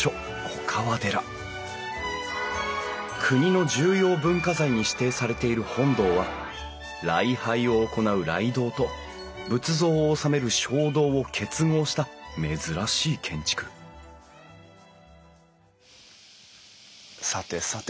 国の重要文化財に指定されている本堂は礼拝を行う礼堂と仏像を収める正堂を結合した珍しい建築さてさて